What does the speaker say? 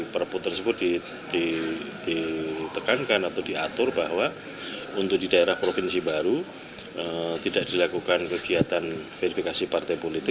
perpu tersebut ditekankan atau diatur bahwa untuk di daerah provinsi baru tidak dilakukan kegiatan verifikasi partai politik